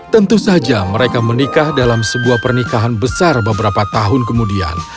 tentu saja mereka menikah dalam sebuah pernikahan besar beberapa tahun kemudian